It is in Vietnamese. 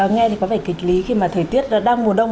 nghe thì có vẻ kịch lý khi mà thời tiết đang mùa đông